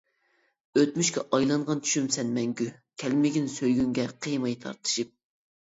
ئۆتمۈشكە ئايلانغان چۈشۈم سەن مەڭگۈ، كەلمىگىن سۆيگۈڭگە قىيماي تارتىشىپ.